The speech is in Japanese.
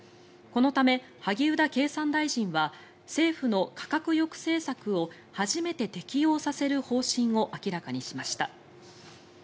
このため、萩生田経産大臣は政府の価格抑制策を初めて適用させる方針を明らかにしました。